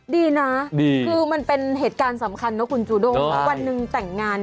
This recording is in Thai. ดีนะคือมันเป็นเหตุการณ์สำคัญนะคุณจูด้งวันหนึ่งแต่งงาน